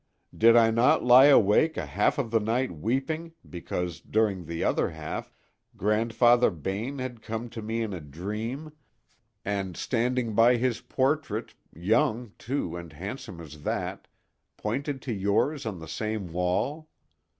Did I not lie awake a half of the night weeping because, during the other half, Grandfather Bayne had come to me in a dream, and standing by his portrait—young, too, and handsome as that—pointed to yours on the same wall?